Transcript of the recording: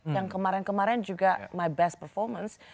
yang kemarin kemarin juga my best performance